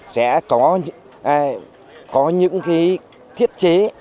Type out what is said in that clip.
sẽ có những cái thiết chế